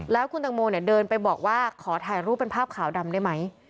แล้วคุณตังโมเนี่ยเดินไปบอกว่าขอถ่ายรูปเป็นภาพขาวดำได้ไหม